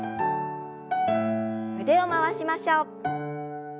腕を回しましょう。